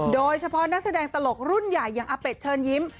โดยเฉพาะนักแสดงตลกรุ่นใหญ่อย่างอาเป็ดเชิญยิ้ม